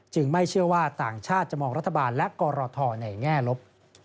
ไม่เชื่อว่าต่างชาติจะมองรัฐบาลและกรทในแง่ลบ